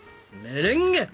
メレンゲ！